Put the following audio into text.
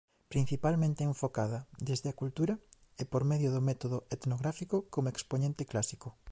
Principalmente enfocada desde a cultura e por medio do método etnográfico como expoñente clásico.